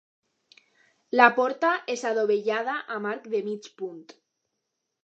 La porta és adovellada amb arc de mig punt.